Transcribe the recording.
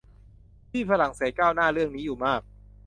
ที่ฝรั่งเศสก้าวหน้าเรื่องนี้อยู่มาก